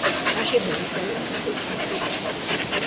აშენდა უშუალოდ გრიგოლ ხანძთელის მიერ.